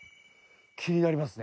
気になりますね。